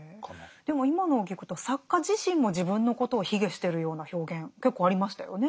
でも今のを聞くと作家自身も自分のことを卑下してるような表現結構ありましたよね。